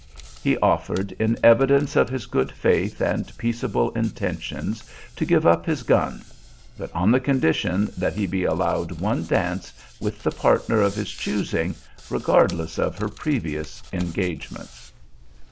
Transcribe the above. He offered, in evidence of his good faith and peaceable intentions, to give up his gun; but on the condition that he be allowed one dance with the partner of his choosing, regardless of her previous engagements.